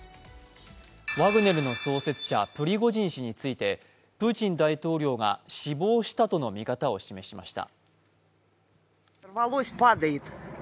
ワグネルの創設者、プリゴジン氏についてプーチン大統領が、死亡したとの見方を示しました。